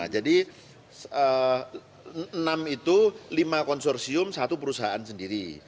jadi enam itu lima konsorsium satu perusahaan sendiri